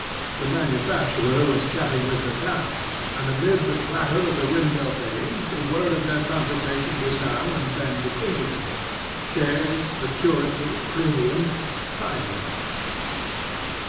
The manufacturer was chatting with the count, and amid the clatter of the window panes a word of their conversation was now and then distinguishable: "Shares maturity premium time limit."